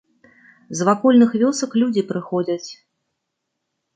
З вакольных вёсак людзі прыходзяць.